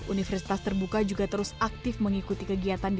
universitas terbuka juga terus aktif mengikuti kegiatan di